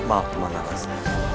maaf pemana rasa